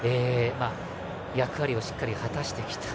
役割をしっかり果たしてきた。